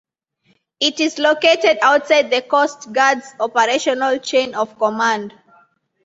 It is located outside the Coast Guard's operational chain of command.